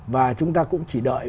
và chúng ta cũng chỉ đợi